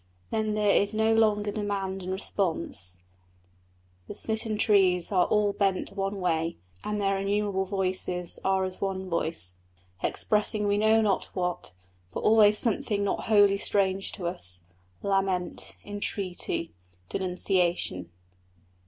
Then there is no longer demand and response; the smitten trees are all bent one way, and their innumerable voices are as one voice, expressing we know not what, but always something not wholly strange to us lament, entreaty, denunciation.